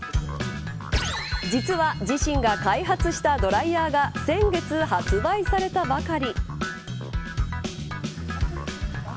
実は自身が開発したドライヤーが先月発売されたばかり。